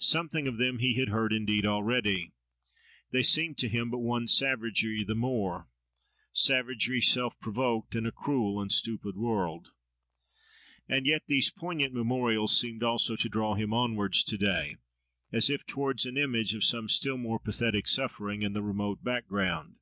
Something of them he had heard indeed already. They had seemed to him but one savagery the more, savagery self provoked, in a cruel and stupid world. And yet these poignant memorials seemed also to draw him onwards to day, as if towards an image of some still more pathetic suffering, in the remote background.